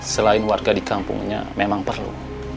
selain warga di kampungnya memang perlu